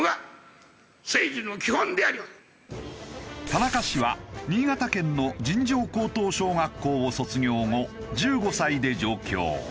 田中氏は新潟県の尋常高等小学校を卒業後１５歳で上京。